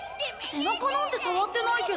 背中なんて触ってないけど。